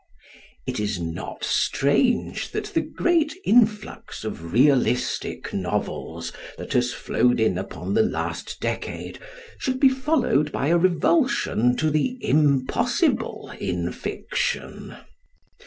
It is not strange that the great influx of realistic novels that has flowed in upon the last decade should be followed by a revulsion to the impossible in fiction.